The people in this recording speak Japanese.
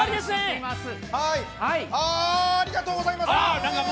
ありがとうございます。